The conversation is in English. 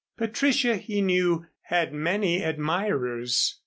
Patricia, he knew, had many admirers.